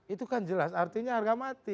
itu kan jelas artinya harga mati